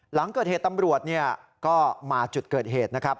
หลังเกิดเหตุตำรวจก็มาจุดเกิดเหตุนะครับ